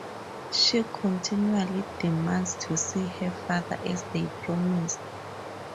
She continually demands to see her father as they promised.